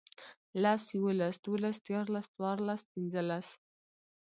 لس، يوولس، دوولس، ديارلس، څوارلس، پينځلس